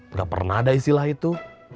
udah pernah ada istilah itu